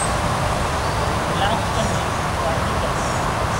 Reelection is permitted.